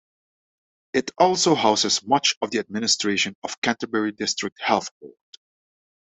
It also houses much of the administration of Canterbury District Health Board.